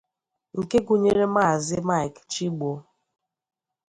nke gụnyere Maazị Mike Chigbo